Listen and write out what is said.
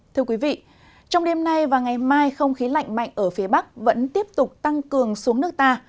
thưa quý vị trong đêm nay và ngày mai không khí lạnh mạnh ở phía bắc vẫn tiếp tục tăng cường xuống nước ta